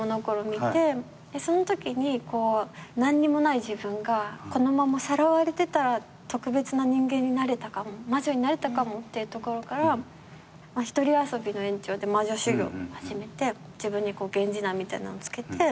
そのときに何にもない自分がこのままさらわれてたら特別な人間になれたかも魔女になれたかもってところから一人遊びの延長で魔女修業始めて自分に源氏名みたいなの付けて。